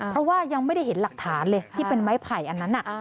เพราะว่ายังไม่ได้เห็นหลักฐานเลยที่เป็นไม้ไผ่อันนั้น